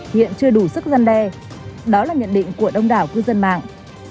hiện chưa đủ sức gian đe đó là nhận định của đông đảo cư dân mạng